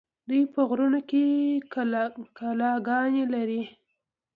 دوی په غرونو کې کلاګانې لرلې